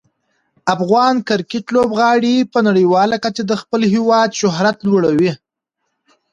افغان کرکټ لوبغاړي په نړیواله کچه د خپل هیواد شهرت لوړوي.